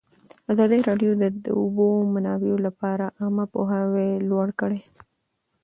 ازادي راډیو د د اوبو منابع لپاره عامه پوهاوي لوړ کړی.